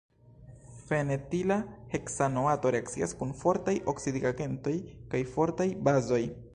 Fenetila heksanoato reakcias kun fortaj oksidigagentoj kaj fortaj bazoj.